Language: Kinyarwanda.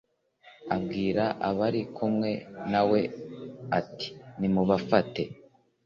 Abwira abari kumwe na we ati Nimubafate